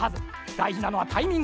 だいじなのはタイミング。